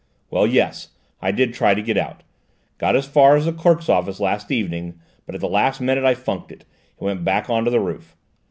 "Well, yes, I did try to get out, got as far as the clerk's office last evening, but at the last minute I funked it, and went back on to the roof.